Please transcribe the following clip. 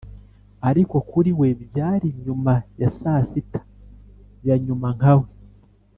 ariko kuri we byari nyuma ya saa sita ya nyuma nka we,